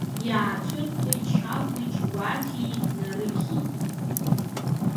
ИаацәырҵуеитЧагәи, Џьгәаҭи, Нарықьи.